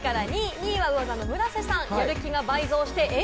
２位はうお座の村瀬さん。